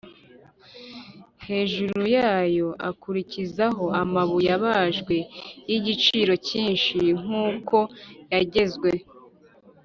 Hejuru yayo akurikizaho amabuye abajwe y’igiciro cyinshi nk’uko yagezwe